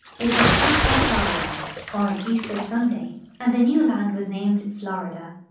It was Pascua Florida, or Easter Sunday, and the new land was named Florida.